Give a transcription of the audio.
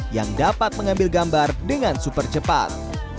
yang dapat mengambil gambar dengan super cepat